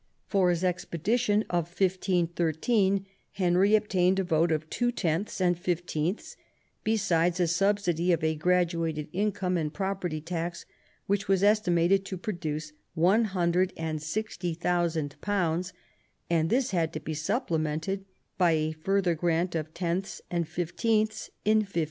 For his expedition of 1513 Henry obtained a vote of two tenths and fifteenths, besides a subsidy of a graduated income and property tax which was estimated to produce £160,000, and this had to be supplemented by a further grant of tenths and fifteenths in 1515.